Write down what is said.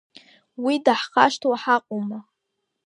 Уи даҳхашҭуа ҳаҟоума.